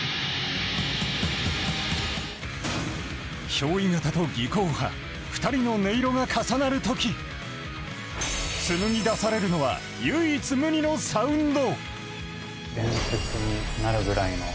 ひょう依型と技巧派、２人の音色が重なるとき、紡ぎ出されるのは唯一無二のサウンド。